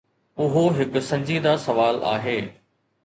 اهو هڪ سنجيده سوال آهي.